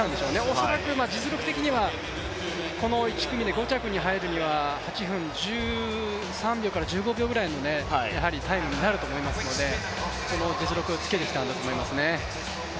恐らく実力的にはこの１組で５着に入るには８分１２秒から１５秒台ぐらいのタイムになると思いますので、その実力をつけてきたんだと思いますね。